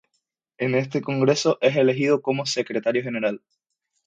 En este Congreso es elegido como secretario general.